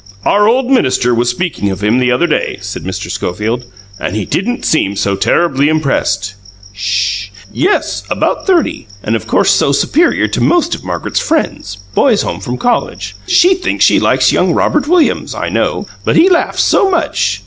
"OUR old minister was speaking of him the other day," said Mr. Schofield, "and he didn't seem so terribly impressed." "SH! Yes; about thirty, and of course so superior to most of Margaret's friends boys home from college. She thinks she likes young Robert Williams, I know but he laughs so much!